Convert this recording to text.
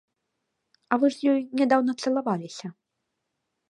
А вы ж з ёю нядаўна цалаваліся?